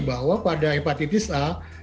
bahwa pada hepatitis a